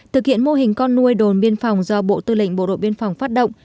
thực hiện mô hình con nuôi đồn biên phòng do bộ tư lệnh bộ đội biên phòng phát động